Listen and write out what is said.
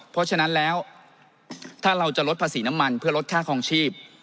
เพราะฉะนั้นแล้วถ้าเราจะลดภาษีน้ำมันเพื่อลดค่าคลองชีพ